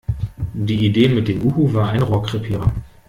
Die Idee mit dem Uhu war ein Rohrkrepierer.